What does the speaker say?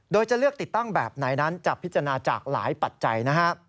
โดยจะเลือกติดตั้งแบบไหนนั้นจะพิจารณาจากหลายปัจจัยนะฮะ